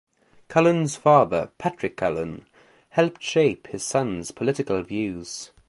Calhoun's father, Patrick Calhoun, helped shape his son's political views.